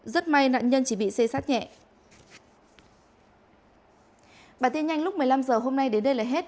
rất may nạn nhân chỉ bị xê sát nhẹ